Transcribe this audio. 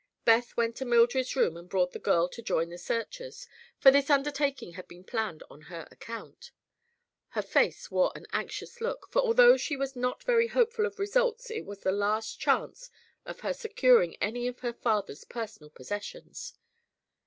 Beth went to Mildred's room and brought the girl to join the searchers, for this undertaking had been planned on her account. Her face wore an anxious look, for although she was not very hopeful of results it was the last chance of her securing any of her father's personal possessions.